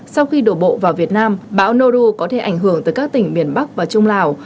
sau khi đổ bộ vào việt nam bão noru có thể ảnh hưởng tới các tỉnh miền bắc và trung lào